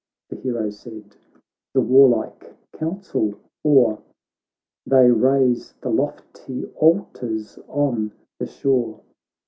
The hero said ; the warlike council o'er They raise the lofty altars on the shore.